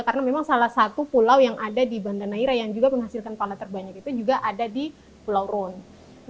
karena memang salah satu pulau yang ada di banda neira yang juga menghasilkan pala terbanyak itu juga ada di pulau rune